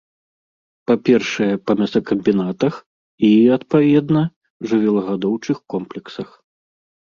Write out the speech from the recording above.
Па-першае, па мясакамбінатах і, адпаведна, жывёлагадоўчых комплексах.